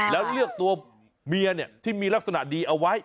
แล้วเลือกตัวเมียที่มีลักษณะดีเอาไว้